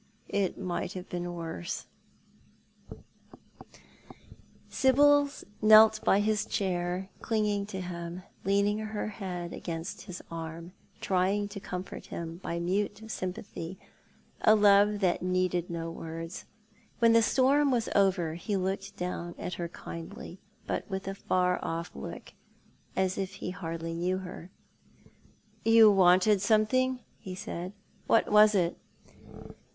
It might bavo been worse." 142 Thou art the Man, Sibyl knelt by his chair, clinging to him, leaning her head against his arm, trying to comfort him by mute sympathy, a love that needed no words. When the storm was over he looked down at her kindly, but with a far off look, as if he hardly knew her. " You wanted something," he said. " What was it